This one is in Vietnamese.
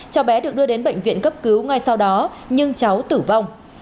cháu bé được đưa đến bệnh viện cấp cứu ngay sau đó nhưng cháu tử vong